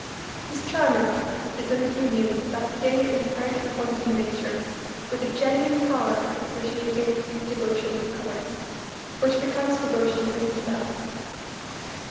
His charm, in fact, is in the union of that gay and apparently wanton nature with a genuine power of appreciating devotion in others, which becomes devotion in himself.